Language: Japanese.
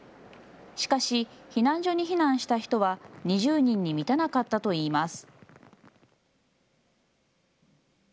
しかし、避難所に避難した人は２０人に満たなかったといいます。